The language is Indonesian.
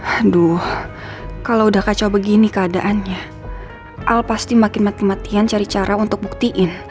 aduh kalau udah kacau begini keadaannya al pasti makin mati matian cari cara untuk buktiin